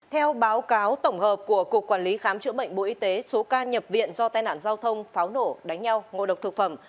theo báo cáo tổng hợp của cục quản lý khám chữa bệnh bộ y tế số ca nhập viện do tai nạn giao thông pháo nổ đánh nhau ngộ độc thực phẩm